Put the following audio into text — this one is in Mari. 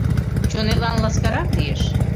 Чонетлан ласкарак лиеш.